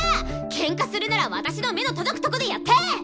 ケンカするなら私の目の届くとこでやって！